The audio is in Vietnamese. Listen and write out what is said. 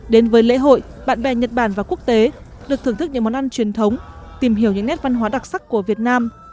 đến với lễ hội bạn bè nhật bản và quốc tế được thưởng thức những món ăn truyền thống tìm hiểu những nét văn hóa đặc sắc của việt nam